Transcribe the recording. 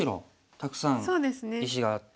たくさん石があって。